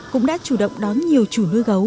cũng đã chủ động đón nhiều chủ nuôi gấu